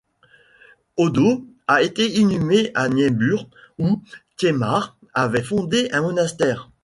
Odo a été inhumé à Nienburg où Thietmar avait fondé un monastère.